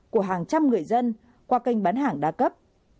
của hàng trăm người dân qua kênh bán hàng đa cấp